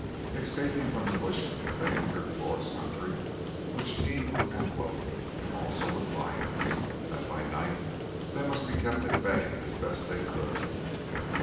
Escaping from the bushmen, they entered a forest country which teemed with antelope and also with lions, that night by night they must keep at bay as best they could.